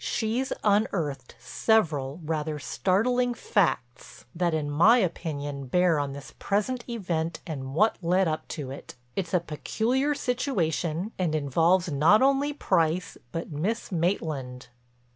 She's unearthed several rather startling facts that in my opinion bear on this present event and what led up to it. It's a peculiar situation and involves not only Price but Miss Maitland."